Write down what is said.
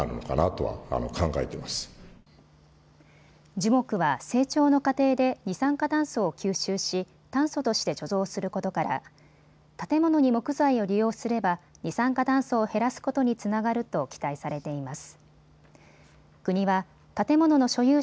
樹木は成長の過程で二酸化炭素を吸収し、炭素として貯蔵することから建物に木材を利用すれば二酸化炭素を減らすことにつながると期待されています。